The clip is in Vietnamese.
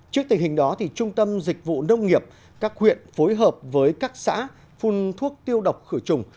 trước tình hình đó trung tâm dịch vụ nông nghiệp các huyện phối hợp với các xã phun thuốc tiêu độc khử trùng